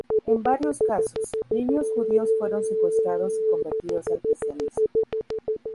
En varios casos, niños judíos fueron secuestrados y convertidos al cristianismo.